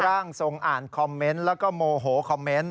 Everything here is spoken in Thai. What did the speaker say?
ร่างทรงอ่านคอมเมนต์แล้วก็โมโหคอมเมนต์